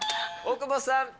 大久保さん。